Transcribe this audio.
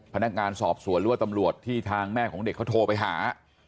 พนักการย์สอบศวรรษรวรรษตำรวจที่ทางแม่ของเด็กเขาโทรไปหา